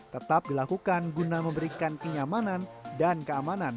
tetap dilakukan guna memberikan kenyamanan dan keamanan